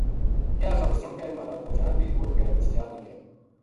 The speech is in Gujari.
یاہ خبر سن کے مہارا دو جنا بھی مُڑ کے اُس جا نا گیا